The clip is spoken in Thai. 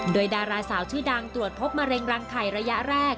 โดยดาราสาวชื่อดังตรวจพบมะเร็งรังไข่ระยะแรก